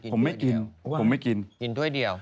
ผมไม่กินผมไม่กินทุกอย่าง